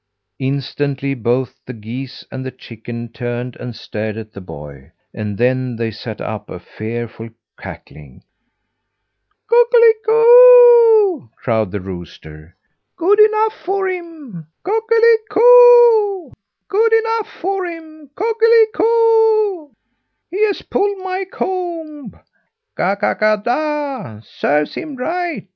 Instantly, both the geese and the chickens turned and stared at the boy; and then they set up a fearful cackling. "Cock el i coo," crowed the rooster, "good enough for him! Cock el i coo, he has pulled my comb." "Ka, ka, kada, serves him right!"